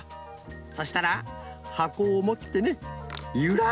そしたらはこをもってねゆらすんです。